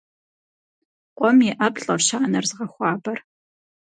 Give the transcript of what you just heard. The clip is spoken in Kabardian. Къуэм и ӏэплӏэрщ анэр зыгъэхуабэр.